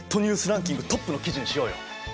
ランキングトップの記事にしようよ！